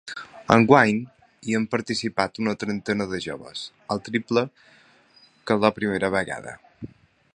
Enguany, hi han participat una trentena de joves, el triple que la primera vegada.